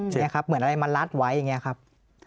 ใช่ครับเหมือนอะไรมันรัดไว้อย่างนี้ครับ